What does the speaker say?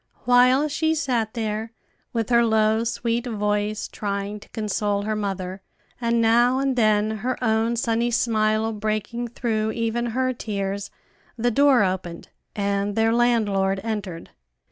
While she sat there, with her low, sweet voice, trying to console her mother, and now and then her own sunny smile breaking through even her tears, the door opened, and their landlord entered.